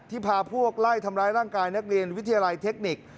พาพวกไล่ทำร้ายร่างกายนักเรียนวิทยาลัยเทคนิค